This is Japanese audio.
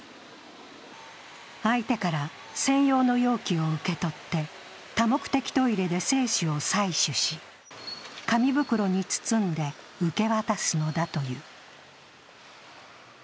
相手から専用の容器を受け取って多目的トイレで精子を採取し、紙袋に包んで受け渡すのだという。